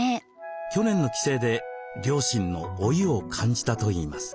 去年の帰省で両親の老いを感じたといいます。